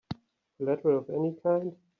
Collateral of any kind?